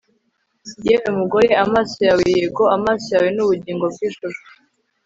yewe mugore! amaso yawe, yego, amaso yawe nubugingo bwijuru